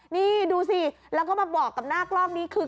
นี่ดูสิแล้วก็มาบอกกับหน้ากล้องนี้คือ